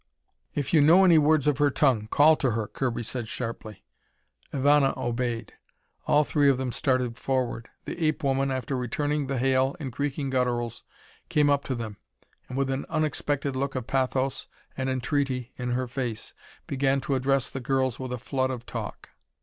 "If you know any words of her tongue, call to her," Kirby said sharply. Ivana obeyed. All three of them started forward. The ape woman, after returning the hail in creaking gutturals, came up to them, and with an unexpected look of pathos and entreaty in her face, began to address the girls with a flood of talk.